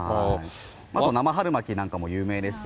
あと生春巻きなんかも有名ですし、